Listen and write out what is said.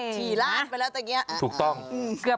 ฉี่ลาดไปแล้วตอนนี้อ่ะอุ๊ยลักปักยังเหอะตรับ